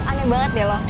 aneh banget bella